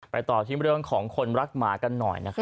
ไปต่อทีมือเรื่องของคนรักหมากันหน่อย